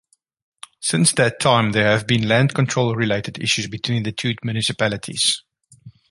Since that time there have been land control related issues between the two municipalities.